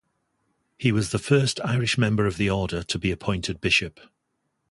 He was the first Irish member of the order to be appointed Bishop.